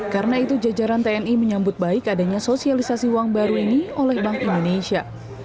karena itu jajaran tni menyambut baik adanya sosialisasi uang baru ini oleh bank indonesia